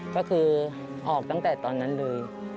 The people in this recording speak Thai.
ก็คือออกตั้งแต่ตอนนั้นเลย